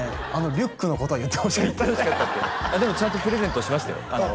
リュックのことは言ってほしかったってあでもちゃんとプレゼントしましたよ